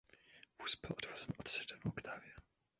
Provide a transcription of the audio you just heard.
Vůz byl odvozen od sedanu Octavia.